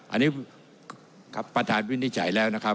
อันนี้ครับประธานวินิจฉัยแล้วนะครับ